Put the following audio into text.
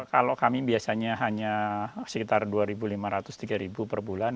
kalau kami biasanya hanya sekitar rp dua lima ratus tiga per bulan